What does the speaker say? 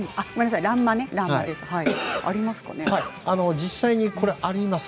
実際にあります